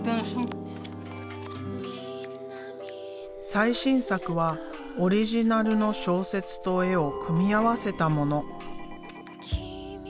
最新作はオリジナルの小説と絵を組み合わせたもの。